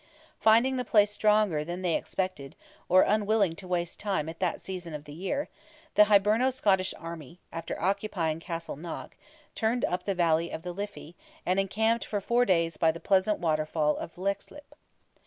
Finding the place stronger than they expected, or unwilling to waste time at that season of the year, the Hiberno Scottish army, after occupying Castleknock, turned up the valley of the Liffey, and encamped for four days by the pleasant waterfall of Leixlip.